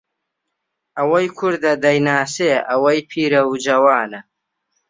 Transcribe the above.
ئەوەی کوردە دەیناسێ ئەوەی پیرەو جەوانە